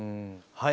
はい！